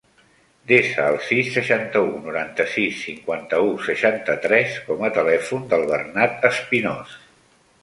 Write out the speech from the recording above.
Desa el sis, seixanta-u, noranta-sis, cinquanta-u, seixanta-tres com a telèfon del Bernat Espinos.